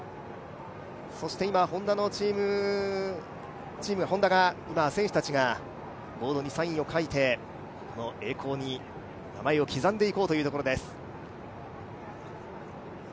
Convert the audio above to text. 今、Ｈｏｎｄａの選手たちがボードにサインを書いて、栄光に名前を刻んでいこうというところです。